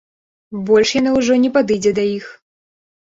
Больш яна ўжо не падыдзе да іх!